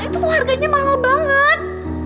itu kok harganya mahal banget